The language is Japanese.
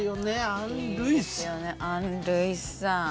アン・ルイスさん。